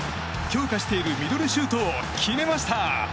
強化しているミドルシュートを決めました！